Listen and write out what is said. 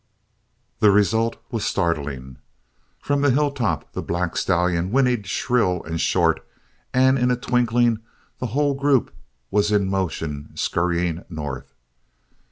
The result was startling. From the hilltop the black stallion whinnied shrill and short and in a twinkling the whole group was in motion scurrying north.